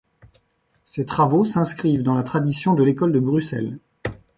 Ses travaux s'inscrivent dans la tradition de l'Ecole de Bruxelles.